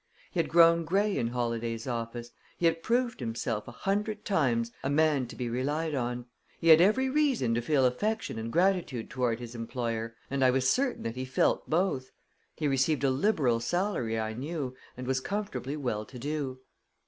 He had grown gray in Holladay's office; he had proved himself, a hundred times, a man to be relied on; he had every reason to feel affection and gratitude toward his employer, and I was certain that he felt both; he received a liberal salary, I knew, and was comfortably well to do.